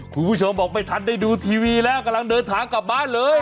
คุณผู้ชมบอกไม่ทันได้ดูทีวีแล้วกำลังเดินทางกลับบ้านเลย